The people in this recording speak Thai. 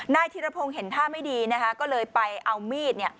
นายธิรพงศ์เห็นท่าไม่ดีก็เลยไปเอามีด